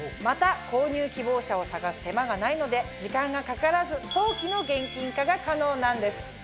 また購入希望者を探す手間がないので時間がかからず早期の現金化が可能なんです。